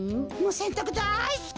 せんたくだいすき。